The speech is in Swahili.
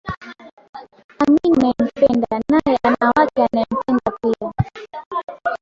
Amini unayempenda, naye ana wake anayaempenda pia